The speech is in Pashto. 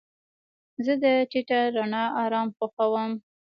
زه د ټیټه رڼا آرام خوښوم.